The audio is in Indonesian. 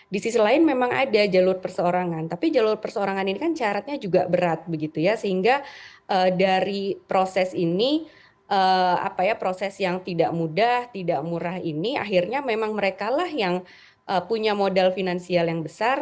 di sisi lain memang ada jalur perseorangan tapi jalur perseorangan ini kan syaratnya juga berat begitu ya sehingga dari proses ini proses yang tidak mudah tidak murah ini akhirnya memang mereka lah yang punya modal finansial yang besar